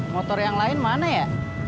motor yang lain mana ya